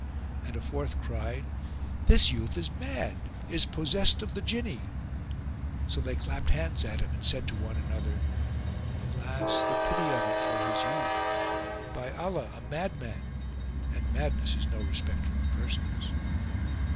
and a fourth cried, "This youth is mad, is possessed of the Jinni!" So they clapped hands at him and said to one another, "Alas, the pity of it for his youth: by Allah a madman! and madness is no respecter of persons."